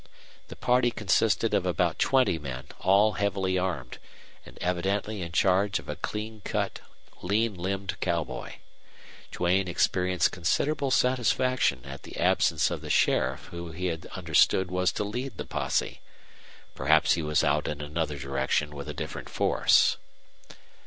The party consisted of about twenty men, all heavily armed, and evidently in charge of a clean cut, lean limbed cowboy. Duane experienced considerable satisfaction at the absence of the sheriff who he had understood was to lead the posse. Perhaps he was out in another direction with a different force.